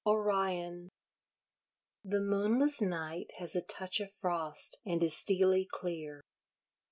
Orion The moonless night has a touch of frost, and is steely clear.